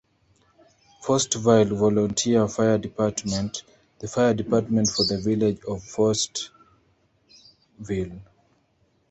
Forestville Volunteer Fire Department, the fire department for the village of Forestville.